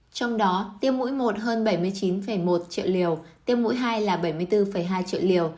trong đó tiêm mũi một hơn bảy mươi chín một triệu liều tiêm mũi hai là bảy mươi bốn hai triệu liều